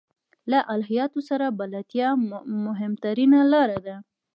له الهیاتو سره بلدتیا مهمترینه لاره ده.